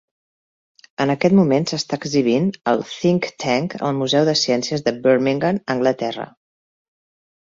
En aquest moment s'està exhibint al Thinktank, al museu de ciències de Birmingham, Anglaterra.